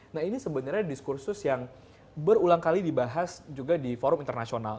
nah ini sebenarnya diskursus yang berulang kali dibahas juga di forum internasional